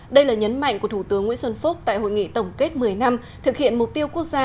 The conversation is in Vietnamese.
đây là nhấn mạnh của thủ tướng nguyễn xuân phúc tại hội nghị tổng kết một mươi năm thực hiện mục tiêu quốc gia